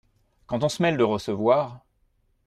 Quand on se mêle de recevoir !